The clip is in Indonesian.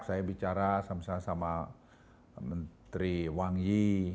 saya bicara sama sama menteri wang yi